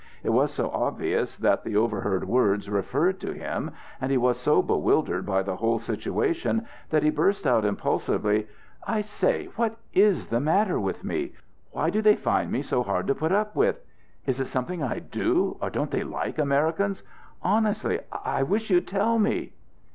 It was so obvious that the overheard words referred to him, and he was so bewildered by the whole situation that he burst out impulsively, "I say, what is the matter with me? Why do they find me so hard to put up with? Is it something I do or don't they like Americans? Honestly, I wish you'd tell me."